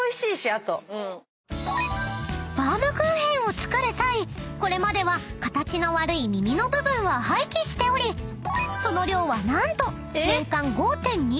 ［バームクーヘンを作る際これまでは形の悪いみみの部分は廃棄しておりその量は何と年間５．２ｔにもなっていました］